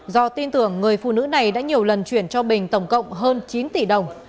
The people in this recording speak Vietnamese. do tin tưởng người phụ nữ này đã nhiều lần chuyển cho bình tổng cộng hơn chín tỷ đồng